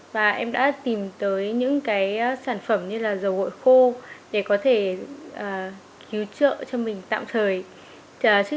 và em đã tìm tới những cái sản phẩm như là dầu gội khô để có thể cứu trợ cho mình tạm thời